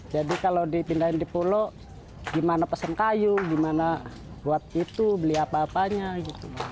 jadi kalau dipindahin di pulau gimana pesen kayu gimana buat itu beli apa apanya gitu